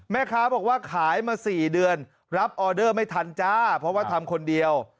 แม่ค้าบอกว่าขายมา๔เดือนรับออเดอร์ไม่ทันจ้าเพราะว่าทำคนเดียว